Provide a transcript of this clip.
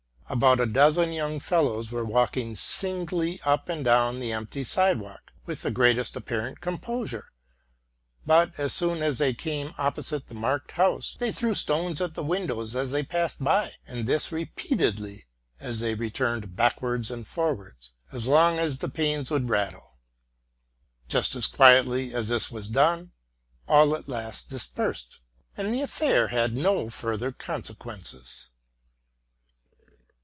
About a dozen young fellows were walking singly up and down the empty sidewalk, with the greatest apparent composure; but, as soon as they came opposite the marked house, they threw stones at the windows as they passed by, and this repeatedly as they returned back wards and forwards, as long as the panes would rattle. Just as quietly as this was done, all at last dispersed; and the affair had no further consequences.